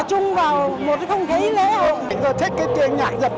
nói chung là các cô rất thích vì nó làm cho các cô thấy mình trẻ lại như thủa thanh niên vậy